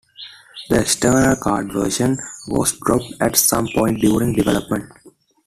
The external card version was dropped at some point during development.